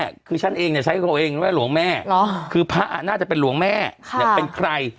พระผู้ใหญ่ก็ใช้ไปว่าหลวงแม่คือพระน่าจะเป็นหลวงแม่นี่เป็นใคร